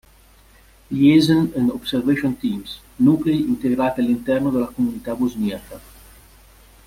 Liaison and Observation Teams, nuclei integrati all'interno delle comunità bosniaca.